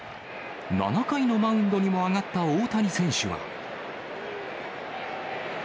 ７回のマウンドにも上がった大谷選手は。